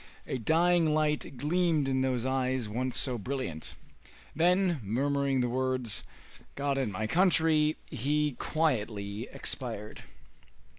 A dying light gleamed in those eyes once so brilliant. Then, murmuring the words, "God and my country!" he quietly expired.